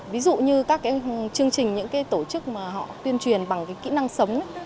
ví dụ như các chương trình những cái tổ chức mà họ tuyên truyền bằng cái kỹ năng sống